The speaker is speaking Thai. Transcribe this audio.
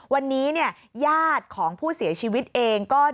วันนี้เนี่ยญาติของผู้เสียชีวิตเองก็